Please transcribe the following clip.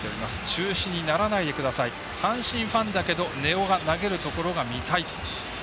中止にならないでください阪神ファンだけど根尾が投げるところが見たい。